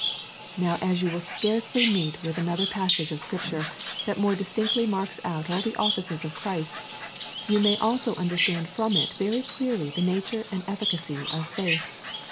Now as you will scarcely meet with another passage of Scripture that more distinctly marks out all the offices of Christ, you may also understand from it very clearly the nature and efficacy of faith.